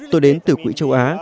tôi đến từ quỹ châu á